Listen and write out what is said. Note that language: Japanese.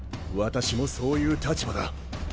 私もそういう立場だ。